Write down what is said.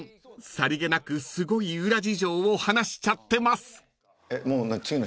さりげなくすごい裏事情を話しちゃってます］